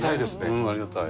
うんありがたい。